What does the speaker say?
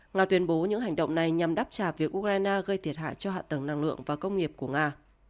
nga tuyên bố những hành động này nhằm đáp trả việc ukraine gây thiệt hại cho hạ tầng năng lượng và công nghiệp của nga